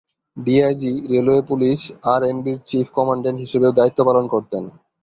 DIG, railway police আরএনবি’র chief commandant হিসেবেও দায়িত্ব পালন করতেন।